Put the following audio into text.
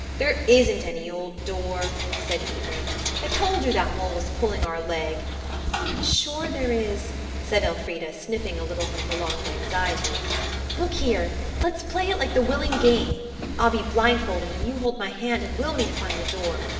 "There isn't any old door," said Edred. "I told you that mole was pulling our leg." "I'm sure there is," said Elfrida, sniffing a little from prolonged anxiety. "Look here–let's play it like the willing game. I'll be blindfolded, and you hold my hand and will me to find the door."